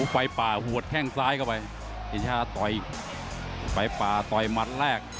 ไฟล์ปลาต่อยมัดแรก